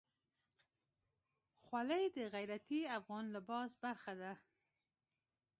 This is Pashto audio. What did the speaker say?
خولۍ د غیرتي افغان لباس برخه ده.